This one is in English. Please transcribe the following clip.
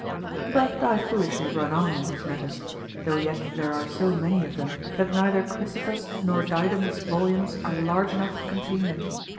But I foolishly run on in these matters, though yet there are so many of them that neither Chrysippus' nor Didymus' volumes are large enough to contain them.